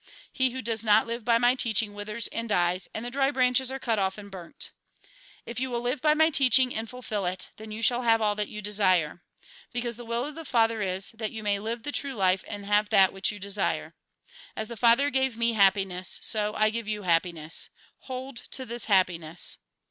He who does not live by my teaching withers and dies ; and the dry branches are cut off and burnt. " If you will live by my teaching, and fulfil it, then you shall have all that you desire. Because the will of the Father is, that you may live the true life and have that which yoa desire. As the Father gave me happiness, so I give you happiness. Hold to this happiness.